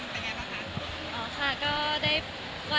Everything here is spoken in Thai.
สวัสดีค่ะ